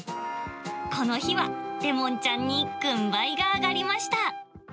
この日はレモンちゃんに軍配が上がりました。